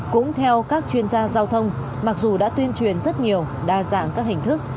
cũng theo các chuyên gia giao thông mặc dù đã tuyên truyền rất nhiều đa dạng các hình thức